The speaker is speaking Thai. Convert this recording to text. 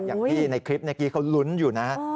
อย่างที่ในคลิปนี้เค้าหลุ้นอยู่นะฮะ